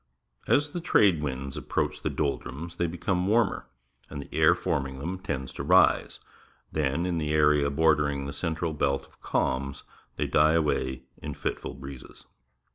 As the trade winds approach the doldrums, they become warmer, and the air forming them tends to rise. Then, in the area border ing the central belt of calms, they die away in fitful breezes.